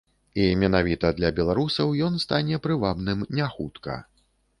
І менавіта для беларусаў ён стане прывабным не хутка.